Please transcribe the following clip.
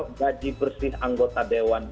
memang gaji pejabat itu menurut kita memang sama